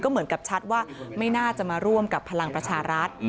เหมือนกับชัดว่าไม่น่าจะมาร่วมกับพลังประชารัฐ